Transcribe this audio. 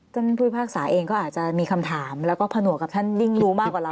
ท่านผู้พิพากษาเองก็อาจจะมีคำถามแล้วก็ผนวกกับท่านยิ่งรู้มากกว่าเรา